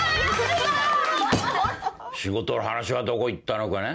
仕事の話はどこいったのかね？